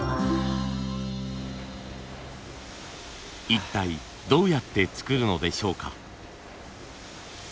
一体どうやって作るのでしょうか？